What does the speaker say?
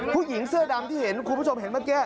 พวกหญิงเสื้อดำที่คุณผู้ชมเห็นเมื่อกี๊